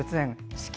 四季